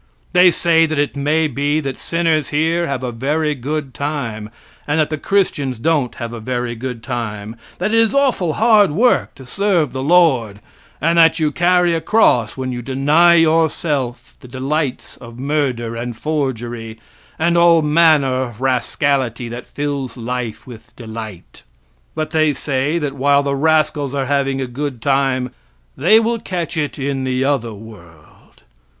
They say that it may be that the sinners here have a very good time, and that the Christians don't have a very good time; that it is awful hard work to serve the Lord, and that you carry a cross when you deny yourself the delights of murder and forgery, and all manner of rascality that fills life with delight. But they say that while the rascals are having a good time, they will catch it in the other world.